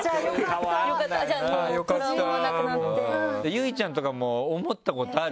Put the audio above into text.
結実ちゃんとかも思ったことある？